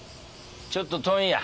ちょっと遠いんや。